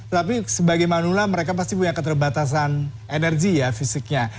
tapi sebagai manula mereka pasti punya keterbatasan energi ya fisiknya